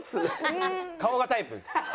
顔がタイプです。